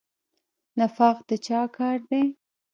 نفاق د چا کار دی؟